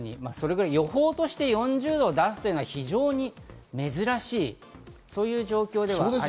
予報として４０度を出すというのは非常に珍しい、そういう状況です。